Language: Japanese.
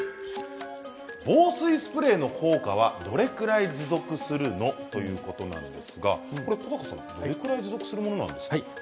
防水スプレーの効果はどれくらい持続するんですか？ということなんですがどれくらいですか。